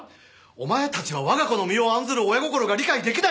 お前たちは我が子の身を案ずる親心が理解出来ないのか？